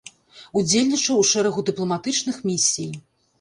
Удзельнічаў у шэрагу дыпламатычных місій.